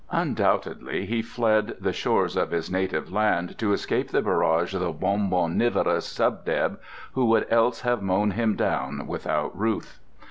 Undoubtedly he fled the shores of his native land to escape the barrage of the bonbonniverous sub deb, who would else have mown him down without ruth.